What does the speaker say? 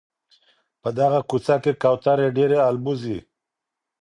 په دغه کوڅه کي کوتري ډېري البوځي.